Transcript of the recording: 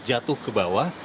jatuh ke bawah